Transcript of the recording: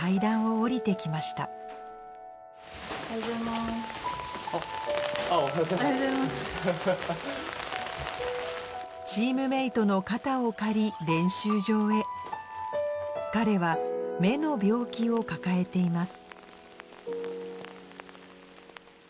・おはようございます・チームメートの肩を借り練習場へ彼は目の病気を抱えています